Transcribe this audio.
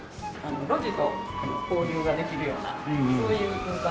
路地と交流ができるようなそういう空間にしてます。